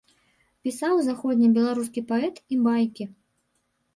Пісаў заходнебеларускі паэт і байкі.